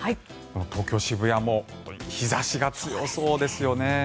東京・渋谷も日差しが強そうですよね。